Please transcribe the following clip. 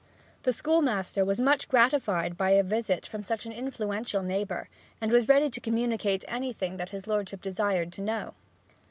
The schoolmaster was much gratified by a visit from such an influential neighbour, and was ready to communicate anything that his lordship desired to know.